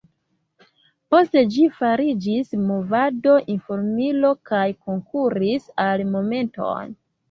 Poste ĝi fariĝis movada informilo kaj konkuris al Momenton.